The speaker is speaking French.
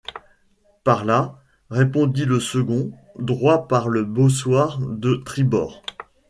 Par là, répondit le second, droit par le bossoir de tribord. ..